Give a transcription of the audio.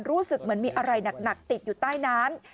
รู้สึกเหมือนมีอะไรหนักติดอยู่ใต้น้ำ